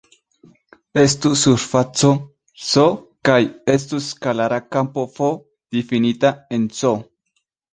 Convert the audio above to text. Estu surfaco "S" kaj estu skalara kampo "f" difinita en "S".